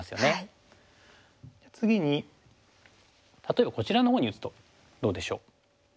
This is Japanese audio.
次に例えばこちらのほうに打つとどうでしょう？